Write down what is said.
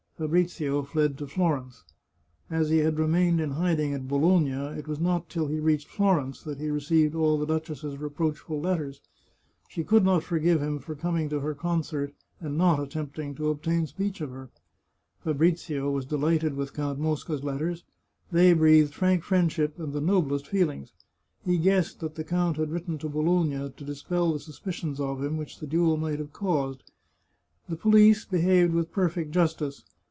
Fabrizio fled to Florence. As he had remained in hiding at Bologna, it was not till he reached Florence that he re ceived all the duchess's reproachful letters. She could not forgive him for coming to her concert, and not attempting to obtain speech of her. Fabrizio was delighted with Count Mosca's letters ; they breathed frank friendship and the noblest feelings. He guessed that the count had written to Bologna to dispel the suspicions of him which the duel might have caused. The police behaved with perfect justice.